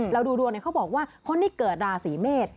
เราดูดวงเขาบอกว่าคนที่เกิดราศีเมษ